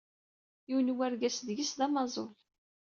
Yiwen wergaz deg-s d amaẓul.